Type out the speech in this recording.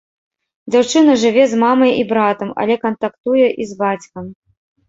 Дзяўчына жыве з мамай і братам, але кантактуе і з бацькам.